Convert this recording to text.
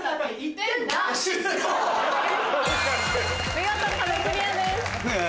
見事壁クリアです。